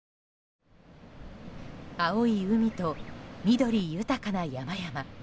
青い海と緑豊かな山々。